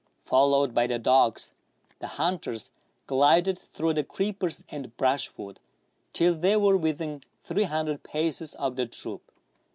Followed by the dogs, the hunters glided through the creepers and brushwood till they were within three hundred paces of the troop.